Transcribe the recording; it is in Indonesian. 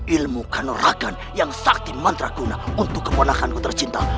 ilmu kanorakan yang sakti mantrakuna untuk keponakan kutercinta